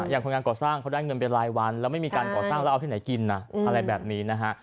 คนงานก่อสร้างเขาได้เงินเป็นรายวันแล้วไม่มีการก่อสร้างแล้วเอาที่ไหนกินนะอะไรแบบนี้นะฮะ